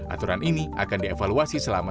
aturan ini akan dievaluasi selama